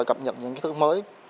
cập nhật những thức mới